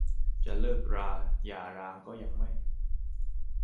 แต่จะเลิกราหย่าร้างก็ยังไม่